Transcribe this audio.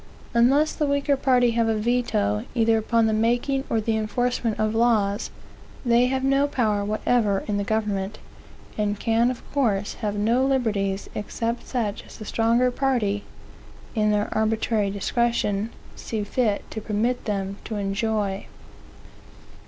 Unless the weaker party have a veto, either upon the making, or the enforcement of laws, they have no power whatever in the government, and can of course have no liberties except such as the stronger party, in their arbitrary discretion, see fit to permit them to enjoy.